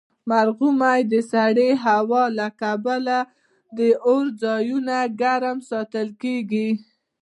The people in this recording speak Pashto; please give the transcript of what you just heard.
مرغومی د سړې هوا له کبله د اور ځایونه ګرم ساتل کیږي.